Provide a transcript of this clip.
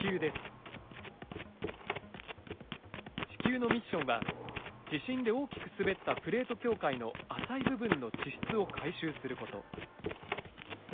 ちきゅうのミッションは地震で大きくすべったプレート境界の浅い部分の地質を回収すること。